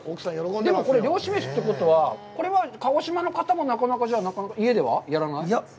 でもこれ、漁師飯ということは、これは鹿児島の方もなかなか家ではやらない？